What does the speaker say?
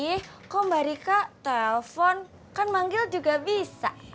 ih kau mbak rika telepon kan manggil juga bisa